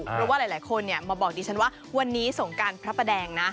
เพราะว่าหลายคนมาบอกดิฉันว่าวันนี้สงการพระประแดงนะ